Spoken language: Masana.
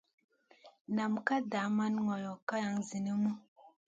Nam ka daman ŋolo kalang zinimu.